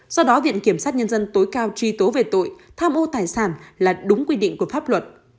do đó viện kiểm sát nhân dân tối cao truy tố về tội tham ô tài sản là đúng quy định của pháp luật